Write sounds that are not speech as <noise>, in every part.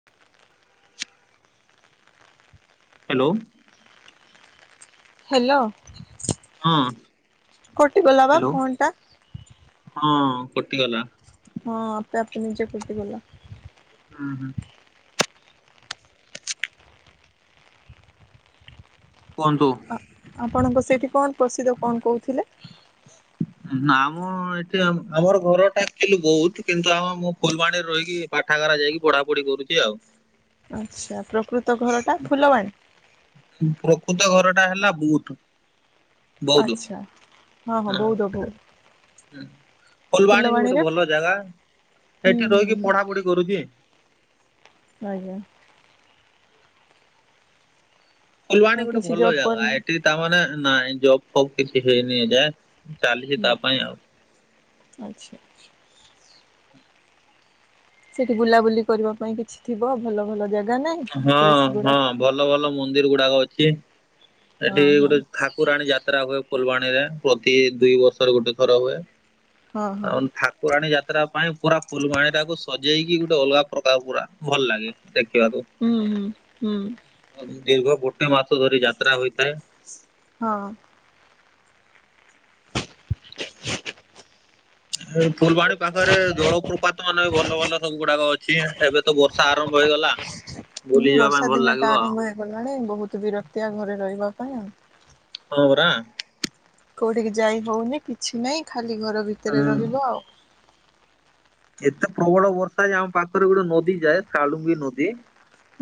<inaudible> Hello. Hello. ଅ। କଟି ଗଲା ବା ଫୋନ୍ ଟା। ହଁ କଟିଗଲା। ହଁ ଆପେ ଆପେ ନିଜେ କଟିଗଲା। ଉଁ ହୁଁ। କୁହନ୍ତୁ? ଆପଣଙ୍କ ସେଠି କଣ ପସିଦ୍ଧ କଣ କହୁଥିଲେ? ନାଁମ ଏଠି ଆମ୍ ଆମର ଘରଟା ଆକଚୁଲି ଗୋଉଦ କିନ୍ତୁ ଆମ ମୁଁ ଫୁଲବାଣୀରେ ରହିକି ପାଠାଗାରା ଯାଇକି ପଢା ପଢି କରୁଚି ଆଉ। ଆଚ୍ଛା ପ୍ରକୃତ ଘରଟା ଫୁଲବାଣୀ? ପ୍ରକୃତ ଘରଟା ହେଲା ବୁଟ୍। ଆଚ୍ଛା ହଁ ହଁ ବଉଦ ପୁ ହୁଁ ଫୁଲବାଣୀ ବି ଗୋଟେ ଭଲ ଜାଗା ହୁଁ ସେଠି ହୁଁ ରହିକି ପଢା ହୁଁ ପଢି କରୁଚି। ଆଜ୍ଞା। ଫୁଲବାଣୀ ଆଉ ଗୋଟେ କିଛି ଭଲ ଜବ୍ ଜାଗା କରିନ? ଏଠି ତା ମାନେ ନାଇଁ ଜବ୍ ଫବ୍ କିଛି ହେଇନି ଏଯାଏ ଚାଲିଚି ନା ତା ପାଇଁ ଆଉ। ଆଚ୍ଛା ଆଚ୍ଛା। ସେଠି ବୁଲାବୁଲି କରିବା ପାଇଁ କିଛି ଥିବ ଭଲ ଭଲ ଜାଗା ନାହିଁ ହଁ ପ୍ଲେସ୍ ହଁ ଗୁଡ଼ା? ଭଲ ଭଲ ମୁଁନ୍ଦିର ଗୁଡାକ ଅଛି। ହଁ ଏଠି ହଁ ଗୋଟେ ଠାକୁରାଣୀ ଯାତ୍ରା ହୁଏ ଫୁଲବାଣୀରେ ପ୍ରତି ଦୁଇ ବର୍ଷର ଗୋଟେ ଥର ହୁଏ। ହଁ ହଁ ଆଉ ଥା ପୁରାଣୀ ଯାତ୍ରା ପାଇଁ ପୁରା ଫୁଲବାଣୀ ଟାକୁ ସଜେଇକି ଗୋଟେ ଅଲଗା ପ୍ରକାର ପୁରା ଭଲ ଲାଗେ ଦେଖିବାକୁ। ହୁଁ ହୁଁ ହୁଁ। ଦୀର୍ଘ ଗୋଟେ ମାସ ଧରି ଯାତ୍ରା ହୋଇଥାଏ। ହଁ। ଫୁଲବାଣୀ ପାଖରେ ଜଳପ୍ରପାତ ଅନେ ଭଲ ଭଲ ସବୁ ଗୁଡାକ ଅଛି ଏବେ ତ ବର୍ଷା ଆରମ୍ଭ ହେଇଗଲା। ବୁଲି ହୁଁ ଯିବା ପାଇଁ ବର୍ଷା ଭଲ ଦିନ ଲାଗିବ ଟା ଆଉ ଆରମ୍ଭ ହେଇଗଲାଣି ବହୁତ ବିରକ୍ତିଆ ଘରେ ରହିବା ପାଇଁ। ହଁ ରା କୋଉଠିକି ଯାଇ ହଉନି କିଛି ନାଇ ଖାଲି ଘର ଭିତରେ ହୁଁ ରହିବ। କେତେ ପ୍ରବଳ ବର୍ଷା ଯେ ଆମ ପାଖରେ ଗୋଟେ ନଦୀ ଯାଏ ସାଳୁଙ୍ଗୀ ନଦୀ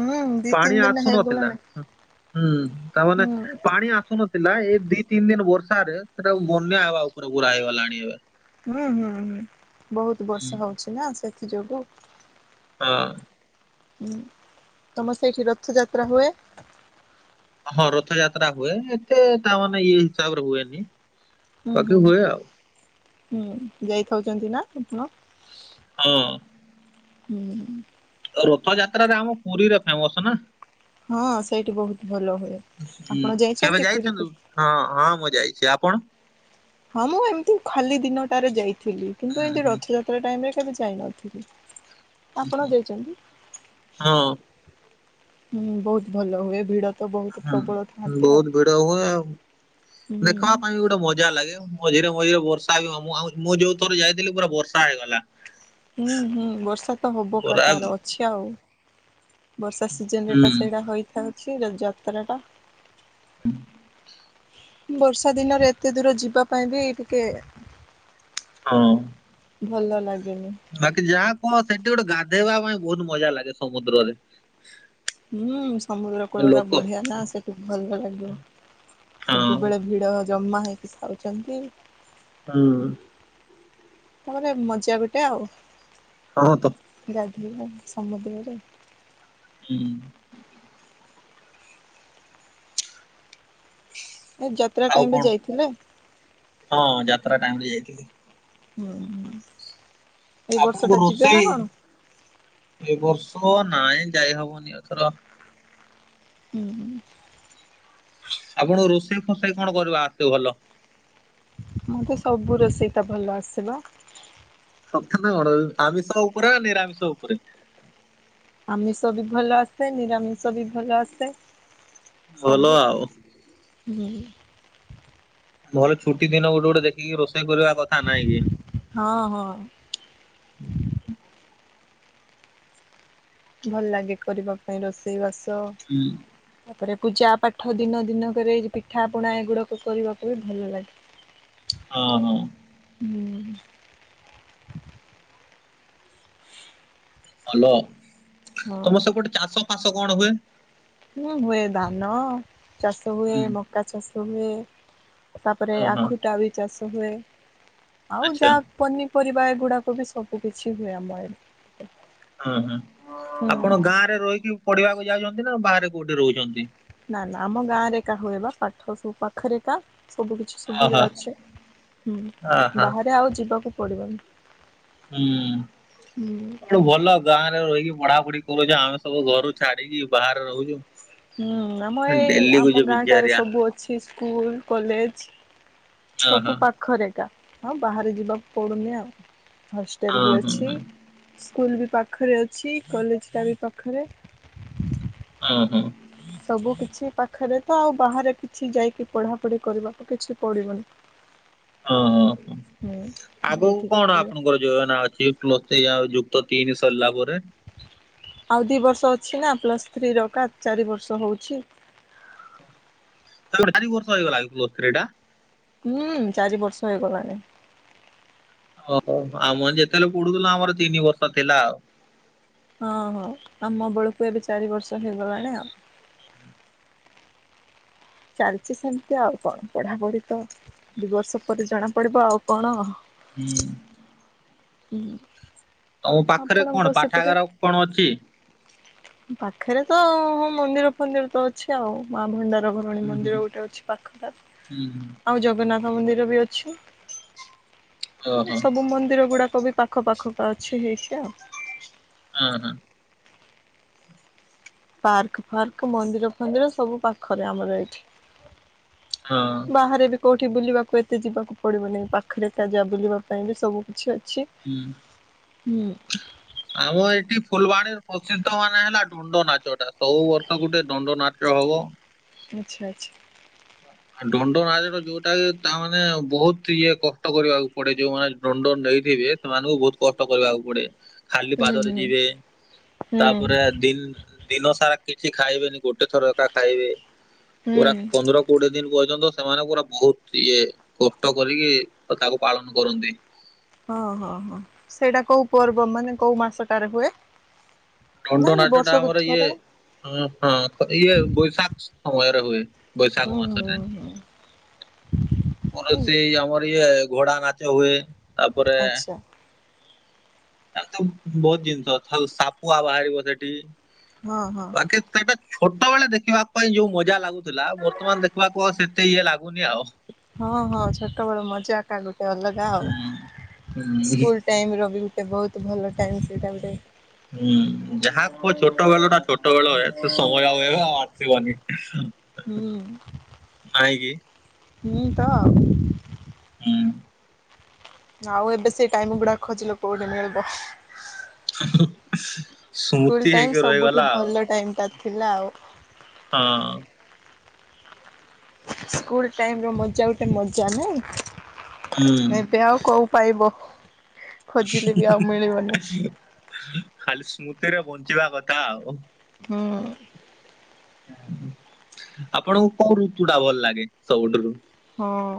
ହୁଁ ଦି ତିନି ପାଣି ଦିନ ଆସୁନଥିଲା ହେଇଗଲାଣି ହୁଁ ତା ମାନେ ହୁଁ ପାଣି ଆସୁନ ଥିଲା ଏଇ ଦି ତିନି ଦିନ ବର୍ଷାରେ ସେଟାକୁ ବନ୍ୟା ହେବା ଉପରେ ପୁରା ହେଇଗଲାଣି ଏବେ। ହୁଁ ହୁଁ ହୁଁ ବହୁତ ହୁଁ ବର୍ଷା ହଉଚି ନା ସେଥି ଯୋଗୁ। ହଁ। ହୁଁ ତମ ସେଠି ରଥଯାତ୍ରା ହୁଏ? ହଁ ରଥଯାତ୍ରା ହୁଏ ଏତେ ତା ମାନେ ଇଏ ହିସାବରେ ହୁଏନି। ହୁଁ ବାକି ହୁଁ ହୁଏ ଆଉ ହୁଁ ଯାଇଖାଉଛନ୍ତି ନା ଆପଣ? ହଁ। ହୁଁ <inaudible> ରଥଯାତ୍ରାରେ ଆମ ପୁରୀରେ ଫେମସ ନା। ହଁ ସେଇଠି ବହୁତ ଭଲ ହୁଏ ହୁଁ ଆପଣ କେବେ ଯାଇଛନ୍ତି ପୁରୀକୁ। ହଁ ହଁ ମୁଁ ଯାଇଛି ଆପଣ। ହଁ ମୁଁ ଏମିତି ଖାଲି ଦିନଟାରେ ଯାଇଥିଲି। ହୁଁ କିନ୍ତୁ ଏମିତି ହୁଁ ରଥଯାତ୍ରା ସେ ଟାଇମରେ କେବେ ଯାଇ ନଥିଲି। ଆପଣ ଯାଇଛନ୍ତି? ହଁ ହୁଁ ବହୁତ ଭଲ ହୁଏ ଭିଡ। ତ ବହୁତ ପ୍ରବଳ ହୁଁ ଥାଆନ୍ତି ଆଉ ବହୁତ ଭିଡ ହୁଏ। ଆଉ ଦେଖିବା ହୁଁ। ପାଇଁ ବି ଗୋଟେ ମଜା ଲାଗେ। ମଝିରେ ମଝିରେ ବର୍ଷା ବି ମୁଁ ମୁଁ ଯୋଉ ଥରେ ଯାଇଥିଲି ପୁରା ବର୍ଷା ହେଇଗଲା। ହୁଁ ହୁଁ ବର୍ଷା ତ ହବକା ପୁରା ତାର ଅଛି ଆଉ। ବର୍ଷା ସିଜନ ରେ ଟା ହୁଁ ସେଇଟା ହେଇଥାଉଛି ଯାତ୍ରା ଟା। ହୁଁ। <unintelligible> ବର୍ଷା ଦିନରେ ଏତେ ଦୂର ଯିବା ପାଇଁ ବି ଟିକେ, ହଁ। ଭଲ ଲାଗେନି। ବାକି ଯାହା କୁହ ସେଠି ଗୋଟେ ଗାଧେଇବା ପାଇଁ ବହୁତ ମଜା ଲାଗେ ସମୁଦ୍ରରେ। ହୁଁ ସମୁଦ୍ର କୂଳ ଟା ଲୋକ ବଢିଆ ନା ସେଠୁ ଭଲ ଲାଗିବ। ହଁ ସବୁବେଳେ ଭିଡ ଜମା ହେଇକି ଖାଉଛନ୍ତି। ହୁଁ। ତାପରେ ମଜା ଗୋଟେ ଆଉ। ହଁ ତ। ଗାଧୋଇବା ସମୁଦ୍ରରେ। ହୁଁ। ଏ ଯାତ୍ରା ଆଉ ଟାଇମ ରେ କଣ? ଯାଇଥିଲେ। ହଁ ଯାତ୍ରା ଟାଇମ ରେ ଯାଇଥିଲି। ହୁଁ ହଁ ଏଇ ବର୍ଷ ଆପଣଙ୍କୁ ଟା ଯିବେ ରୋଷେଇ ନା କଣ? ଏ ବର୍ଷ ନାଇଁ ଯାଇ ହବନି ଏଥର। ହୁଁ ହୁଁ। ଆପଣ ରୋଷେଇ ଫସେଇ କଣ କରିବା ଆସେ ଭଲ? ମୋତେ ସବୁ ରୋଷେଇଟା ଭଲ ଆସେ। ନା କଣ ଆମିଷ ଉପରେ ଆ ନିରାମିଷ ଉପରେ। ଆମିଷ ବି ଭଲ ଆସେ ନିରାମିଷ ବି ଭଲ ଆସେ ଭଲ ସବୁ ଆଉ। ହୁଁ। ଭଲ ଛୁଟି ଦିନ ଗୋଟେ ଗୋଟେ ଦେଖିକି ରୋଷେଇ କରିବା କଥା ନାଇଁ କି? ହଁ ହଁ। ଭଲ ଲାଗେ କରିବା ପାଇଁ ରୋଷେଇ ବାସ। ହୁଁ। ତାପରେ ପୂଜା ପାଠ ଦିନ ଦିନକରେଇ ପିଠା ପୁଣା ଏଗୁଡାକ କରିବାକୁ ବି ଭଲ ଲାଗେ। ହଁ ହୋ। ହୁଁ। ଭଲ ତମ ସବ ଗୋଟେ ଚାଷ ଫାସ କଣ ହୁଏ? ହ ହୁଏ ଧାନ ଚାଷ ହୁଏ ହୁଁ ମକା ଚାଷ ହୁଏ। ତାପରେ ହଁ ହଁ। ଆଖୁଟା ବି ଚାଷ ହୁଏ ଆଉ ଆଚ୍ଛା ଯାହା। ପନିପରିବା ଗୁଡାକ ବି ସବୁ କିଛି ହୁଏ ଆମର। ହଁ ହୁଁ ଆପଣ ଗାଁ ରେ ରହିକି ପଢିବାକୁ ଯାଉଛନ୍ତି ନା ବାହାରେ କୋଉଠି ରହୁଛନ୍ତି। ନା ନା ଆମ ଗାଁ ରେ କାହା ବା ପାଠ ସବୁ ପାଖରେ ତା ସବୁ କିଛି ଅହ ସୁବିଧା ଅଛେ ହୁଁ ଅହ ବାହାରେ ଆଉ ଯିବାକୁ ପଡିବନି। ହୁଁ। ହୁଁ ଗୋଟେ ଭଲ ଗାଁ ରେ ରହିକି ପଢ଼ାପଢି କରୁଚ, ଆମେ ସବୁ ଘରୁ ଛାଡିକି ବାହାରେ ରହୁଚୁ। ହୁଁ ଆମ ଏଇ ଆମ ଗାଁ ଟାରେ ବିଚାରିଆ ସବୁ ଅଛି ସ୍କୁଲ୍ କଲେଜ୍। ଅହ ସବୁ ପାଖରେ ଏକା। ଆଉ ବାହାରେ ଯିବାକୁ ପଡୁନି ଆଉ। ହୋଟେଲ୍ ବି ହଁ ହଁ ଅଛି। ହଁ। ସ୍କୁଲ ବି ପାଖରେ ଅଛି, କଲେଜ୍ ଟା ବି ପାଖରେ। ଉଁ ହୁଁ। ସବୁ କିଛି ପାଖରେ ତ ଆଉ ବାହାରେ କିଛି ଯାଇକି ପଢାପଢି କରିବାକୁ କିଛି ପଡିବନି। ହଁ ହୁଁ ଆଗକୁ ଏଇଠିକା କଣ ପଡିବ। ଆପଣଙ୍କର ଯୋଜନା ଅଛି ପ୍ଲସ୍ ଥ୍ରି ଆଉ ଯୁକ୍ତ ତିନି ସରିଲା ପରେ? ଆଉ ଦିଇ ବର୍ଷ ଅଛି ନା ପ୍ଲସ୍ ଥ୍ରୀ ର ଏକା ଚାରି ବର୍ଷ ହଉଚି। ଚାରି ବର୍ଷ ହେଇଗଲା କି ପ୍ଲସ୍ ଥ୍ରି ଟା? ହୁଁ, ଚାରି ବର୍ଷ ହେଇଗଲାଣି। ଓହୋ। ଆମର ଯେତେବେଳେ ପଡୁଥିଲା ଆମର ତିନି ବର୍ଷ ଥିଲା ଆଉ। ହଁ ହଁ। ଆମ ବେଳକୁ ଏବେ ଚାରି ବର୍ଷ ହେଇଗଲାଣି ଆଉ। ଚାଲିଚି ସେମତି ଆଉ। କଣ ପଢ଼ାପଢ଼ି ତ ଦୁଇ ବର୍ଷ ପରେ ଜଣାପଡ଼ିବ ଆଉ କଣ। ହୁଁ। ହୁଁ। ତମ ପାଖରେ କଣ ପାଠାଗାର କଣ ଅଛି? ପାଖରେ ତ ହଁ ମନ୍ଦିର ଫନ୍ଦିର ତ ଅଛି ଆଉ। ମା ଭଣ୍ଡାର ଘ ମଣି ହୁଁ ହୁଁ। ମନ୍ଦିର ଗୋଟେ ଅଛି ପାଖଟା। ହୁଁ ଆଉ ଜଗନ୍ନାଥ ମନ୍ଦିର ବି ଅଛି। କିନ୍ତୁ ଓହୋ ସବୁ ମନ୍ଦିର ଗୁଡାକ ବି ପାଖ ପାଖ କା ଅଛି ହେଇଚି ଆଉ। ହଁ ହଁ। ପାର୍କ ଫାର୍କ ମନ୍ଦିର ଫନ୍ଦିର ସବୁ ପାଖରେ ଆମର ଏଇଠି। ହଁ। ବାହାରେ ବି କୋଉଠି ବୁଲିବାକୁ ଏତେ ଯିବାକୁ ପଡ଼ିବନି। ପାଖରେ ତା ଯା ବୁଲିବା ପାଇଁ ବି ସବୁ କିିଛି ଅଛି। ଉଁ। <unintelligible> ଆଉ ଏଠି ଫୁଲବାଣୀ ପ୍ରସିଦ୍ଧ ମାନେ ହେଲା ଡୁ ଦଣ୍ଡ ନାଚ ଟା। ସବୁ ବର୍ଷ ଗୋଟେ ଦଣ୍ଡ ନାଚ ହବ। ଆଚ୍ଛା ଆଚ୍ଛା। ଆଉ ଦଣ୍ଡ ନାଚ ଟା ଯୋଉଟା କି ତାମାନେ ବହୁତ ଇଏ କଷ୍ଟ କରିବାକୁ ପଡେ ଯୋଉମାନେ ଦଣ୍ଡ ନେଇଥିବେ, ସେମାନଙ୍କୁ ବହୁତ କଷ୍ଟ କରିବାକୁ ପଡେ। ଖାଲି ହୁଁ ପାଦରେ ହୁଁ ଯିବେ। ତାପରେ ହୁଁ ଦି ଦିନ ସାରା କିଛି ଖାଇବେନି, ଗୋଟେ ଥର ଏକା ଖାଇବେ। ପୁରା ହୁଁ ପନ୍ଦର କୋଡିଏ ଦିନ୍ ପର୍ଯ୍ୟନ୍ତ ସେମାନେ ପୁରା ବହୁତ ଇଏ କଷ୍ଟ କରିକି ତାକୁ ପାଳନ କରନ୍ତି। ହଁ ହଁ ହଁ। ସେଇଟା କୋଉ ପର୍ବ ମାନେ କୋଉ ମାସ ଟା ରେ ହୁଏ? ଦଣ୍ଡ ନାଇଁ ନାଚ ଟା ବର୍ଷକୁ ଆମର ଇଏ ଥରେ ନା? ଅ ହଁ ଇଏ ବୈଶାଖ ସମୟରେ ହୁଏ, ହୁଁ ବୈଶାଖ ହୁଁ ମାସରେ। ହୁଁ ଉଁ <unintelligible> ଆମର ଇଏ ଘୋଡା ନାଚ ହୁଏ। ତାପରେ ଆଚ୍ଛା ତାର ତ ବହୁତ୍ ଜିନିଷ। ଆଉ ସା ପୁଆ ବାହାରିବ ସେଠି। ହଁ ହଁ। ବାକି ସେଇଟା ଛୋଟ ବେଳେ ଦେଖିବା ପାଇଁ ଯୋଉ ମଜା ଲାଗୁଥିଲା ବର୍ତ୍ତମାନ ଦେଖିବାକୁ ଆଉ ସେତେ ଇଏ ଲାଗୁନି ଆଉ। ହଁ ହଁ ଛୋଟ ବେଳ ମଜା ଟା ଗୋଟେ ଅଲଗା ଆଉ। ହୁଁ। ହୁଁ ସ୍କୁଲ୍ ଟାଇମ୍ ର ବି କେ ବହୁତ ଭଲ ଟାଇମ୍ ସେଇଟା ଗୋଟେ। ହୁଁ। ଯାହା କୁହ ଛୋଟ ବେଳ ଟା ଛୋଟ ବେଳ ଏ। ସେ ସମୟ ଆଉ ଏବେ ଆଉ ଆସିବନି। ହୁଁ। ନାହିଁକି? ମୁଁ ତ ଉଁ ଆଉ ଏବେ ସେ ଟାଇମ୍ ଗୁଡା ଖୋଜିଲେ କୋଉଠି ମିଳିବ। ହୋ। ସ୍କୁଲ ଟାଇମ ସବୁଠୁ ଭଲ ଟାଇମ ଟ ଥିଲା ଆଉ। ହଁ। ସ୍କୁଲ ଟାଇମ ର ମଜା ଗୋଟେ ମଜା ନାଇଁ ହୁଁ। ଏେବେ ଆଉ କ ପାଇବ ଖୋଜିଲେ ବି ଆଉ ମିଳିବନି। ଖାଲି ସ୍ମୃତିରେ ବଞ୍ଚିବା କଥା ଆଉ। ହୁଁ। ଆପଣଙ୍କୁ କଉ ଋତୁ ଟା ଭଲ ଲାଗେ ସବୁଠାରୁ। ହଁ।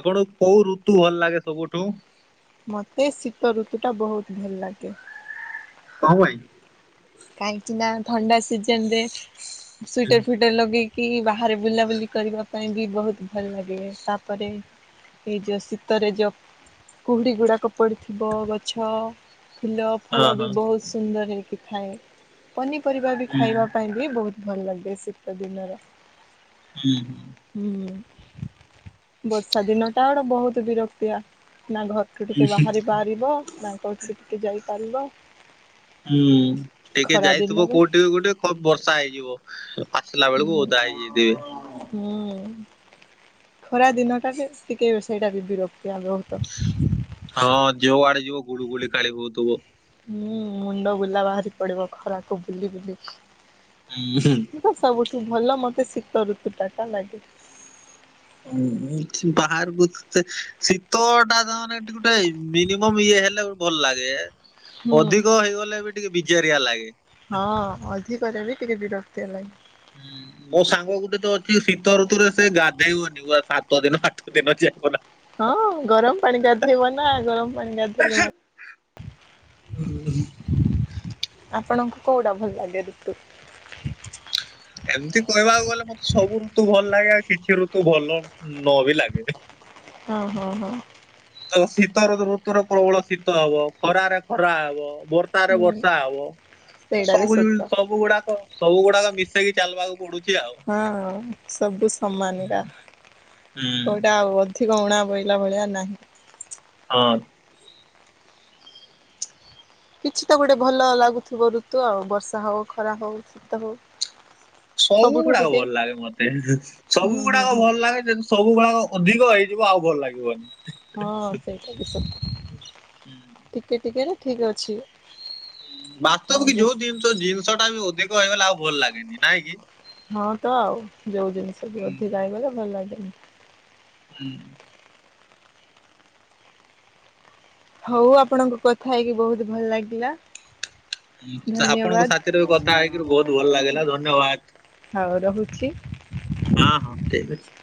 ଆପଣଙ୍କୁ କୋଉ ଋତୁ ଭଲ ଲାଗେ ସବୁଠୁ। ମତେ ଶୀତ ଋତୁ ଟା ବହୁତ ଭଲ ଲାଗେ। ହଣ ଭାଇ। କାହିଁକି ନା ଥଣ୍ଡା ସିଜନ ରେ ସ୍ଟର ଫ ଗଟେ ଲଗେଇକି ବାହାରେ ବୁଲାବୁଲି କରିବା ପାଇଁ ବି ବହୁତ ଭଲ ଲାଗେ ତାପରେ। ଏଇ ଯୋଉ ଶୀତରେ ଯୋଉ କୁହୁଡ଼ି ଗୁଡ଼ାକ ପଡ଼ିଥିବ ଗଛ ଫୁଲ। ହଁ ଫଳ ହଁ ବି ବହୁତ ସୁନ୍ଦର ହୋଇଇକି ଥାଏ। ପନିପରିବା ବି ହୁଁ ଖାଇବା ପାଇଁ ବି ବହୁତ ଭଲ ଲାଗେ ଶୀତ ଦିନର ହୁଁ ହୁଁ। ହୁଁ ବର୍ଷା ଦିନ ଟା ଗୋଟେ ବହୁତ ବିରକ୍ତିଆ ନା ଘର ସେଠୁ ଟିକେ ବାହାରି ପାରିବ ନାଙ୍କଠିକେ ଟିକେ ଯାଇପାରିବ। ହୁଁ ଟିକେ ଖରା ଯାଇଥିବ ଦିନରେ କୋଉଠିକ କୋଉଠିକେ ବର୍ଷା ହେଇଯିବ ଫସିଲା। ହଁ ହୁଁ ଖରା ଦିନଟାରେ ଟିକେ ବ ସେଇଟା ବି ବିରକ୍ତି ଆବହୁତ ହଁ ଯଉ ଆଡେ ଯିବ ଗୁଡୁ ଗୁଳି କାଳି ହଉଥିବ। ହଁ ମୁଣ୍ଡ ବୁଲା ବାହାରି ପଡିବ ଖରାକୁୁ ବୁଲି ବୁଲି ହୁଁ। ତ ସବୁଠୁ ଭଲ ମତେ ଶୀତ ଋ ୁଟା ଟା ଲାଗେ। ବାହାରକୁ। ସେ ଶୀତ ଟାାନେ ଗୋଟେ ମିନିମମ୍ ଇଏ ହେଲେ ଗୋେ ଭଲ ଲାଗେ। ହୁଁ ଅଧିକ ହେଇଗଲେ ବି ଟିକେ ବିଜାରଆ ଲାଗେ। ହଁ ଅଧିକ ବି ଟିକେ ବିରକ୍ତି ହେଲାଣିି। ହୁଁ ମୋ ସାଙ୍ଗ ଗୋଟେ ତ ଅଛି ଶୀତ ଋତୁରେ ସେ ଗାଧେଇବନି ସାତ ଦିନ ଆଠ ଦିନ ଯିବ ନା ହଁ ଗରମ ପାଣି ଗାଧେଇବ ନା ଗରମ ପାଣି ଗାଧୋଇଲେ ମତେ ହ ଆପଣଙ୍କୁ କଉଟା ଭଲ ଲାଗେ ଋତୁ? ଏମତି କହିବାକୁ ଗଲେ ମତେ ସବୁ ଋତୁ ଭଲ ଲାଗେ ଆଉ କିଛି ଋତୁ ଭଲ ନ ବି ଲାଗେ। ହଁ ହଁ ହଁ ତ ଶୀତଋତୁରେ ପ୍ରବଳ ଶୀତ ହେବ ଖରାରେ ଖରା ହେବ ବୋର ବର୍ଷାରେ ହୁଁ ବର୍ଷା ହେବ ସେଇଟା ବି ସବୁ ସତ। ସବୁ ଗୁଡାକ ସବୁ ଗୁଡାକ ମିଶେଇକି ଚାଲବାକୁ ପଡୁଛି ଆଉ ହଁ ସବୁ ସମାନ ଟା ହୁଁ କଉଟା ବହୁତ ଏଠି ଗହଣା ବୋହିଲା ଭଳିଆ ନା ହଁ କିଛି ତ ଗୋଟେ ଭଲ ଲାଗୁଥିବ ଋତୁ ଆଉ ବର୍ଷା ହଉ, ଖରା ହଉ, ଶୀତ ହଉ ସବୁ ସବୁଠୁ ଗୁଡାକ ଟିକେ ଭଲ ଲାଗେ ମତେ, ହୁଁ ସବୁ ହୁଁ ଗୁଡାକ ହୁଁ ଭଲ ଲାଗେ ଯେ ସବୁ ଗଳ ଅଧିକ ହେଇଯିବ ଆଉ ଭଲ ଲାଗିବନି ହଁ ସେଇଟା ବି ସତ, ହୁଁ। ଟିକେ ଟିକେ ରେ ଠିକ ଅଛି। ଆଉ ବାସ୍ତବ କି ଯୋଉ ବେଶ ଜିନିଷ ଜିନିଷ ଟା ବି ଅଧିକ ହେଇଗଲେ ଆଉ ଭଲ ଲାଗେନି ନାଇଁ କି। ହଁ ତ ଆଉ ଯୋଉ ଜିନିଷ ବି ଅଧିକା ହେଇଗଲେ ଭଲ ଲାଗେନି। ହୁଁ ହଉ ଆପଣଙ୍କ କଥା ହେଇକି ବହୁତ ଭଲ ଲାଗିଲା। ଆପଣଙ୍କ ଧନ୍ୟବାଦ ସାଥିରେ ବି କଥା ହେଇକରି ବହୁତ ଭଲ ଲାଗିଲା ଧନ୍ୟବାଦ। ହଉ ରହୁଛି। ହଁ ହଁ ଠିକ ଅଛି।